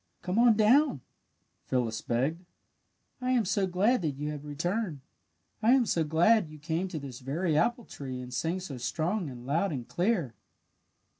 "Come on down!" Phyllis begged. "I am so glad that you have returned. I am so glad that you came to this very apple tree and sang so strong and loud and clear!"